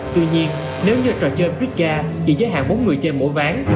tuy nhiên nếu như trò chơi ritca chỉ giới hạn bốn người chơi mỗi ván